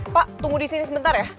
pak tunggu disini sebentar ya